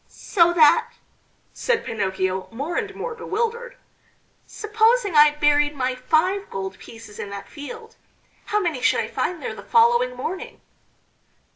"So that," said Pinocchio, more and more bewildered, "supposing I buried my five gold pieces in that field, how many should I find there the following morning?"